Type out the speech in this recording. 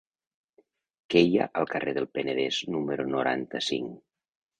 Què hi ha al carrer del Penedès número noranta-cinc?